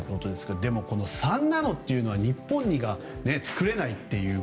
でも、３ナノというのは日本には作れないと。